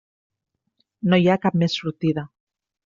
No hi ha cap més sortida.